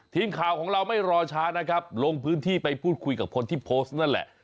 ทีมข่าวของเราไม่รอช้านะครับลงพื้นที่ไปพูดคุยกับคนที่โพสต์นั่นแหละ